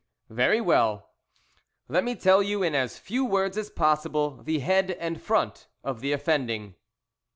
"Very well, let me tell you in as few words as possible, the head and front of the offending.